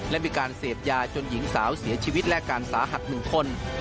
และมีการเสพยาจนหญิงสาวเสียชีวิตและการสาหัส๑คน